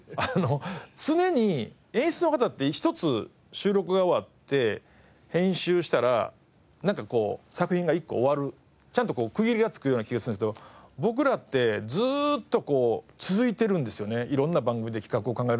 常に演出の方って１つ収録が終わって編集したらなんかこう作品が１個終わるちゃんと区切りがつくような気がするんですけど僕らってずっと続いてるんですよね色んな番組で企画を考えるのが。